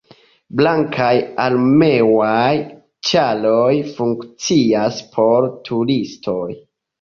Blankaj armeaj ĉaroj funkcias por turistoj.